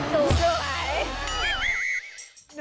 สวย